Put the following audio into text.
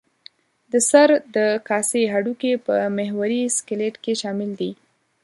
د سر د کاسې هډوکي په محوري سکلېټ کې شامل دي.